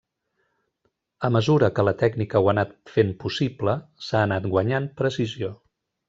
A mesura que la tècnica ho ha anat fent possible, s'ha anat guanyant precisió.